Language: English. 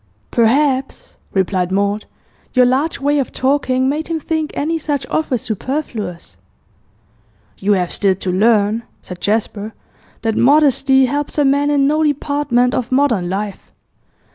'Perhaps,' replied Maud, 'your large way of talking made him think any such offer superfluous.' 'You have still to learn,' said Jasper, 'that modesty helps a man in no department of modern life.